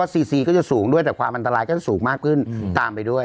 ซีซีก็จะสูงด้วยแต่ความอันตรายก็จะสูงมากขึ้นตามไปด้วย